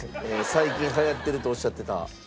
「最近はやってる」とおっしゃってた。